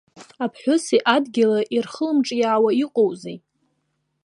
Аԥҳәыси адгьыли ирхылымҿиаауа иҟоузеи.